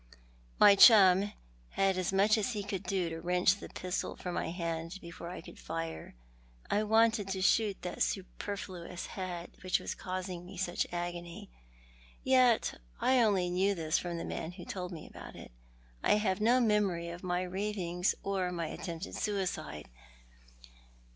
My chum had as much as he could do to wrench the pistol from my hand before I could fire. I wanted to shoot that superfluous head •which was causing me such agony. Yet I only knew this from the man who told me about it. I have no memory of my ravings, or of my attempted suicide.